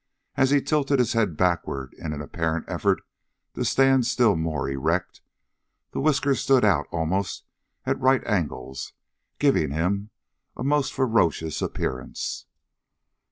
As he tilted his head backward in an apparent effort to stand still more erect, the whiskers stood out almost at right angles, giving him a most ferocious appearance.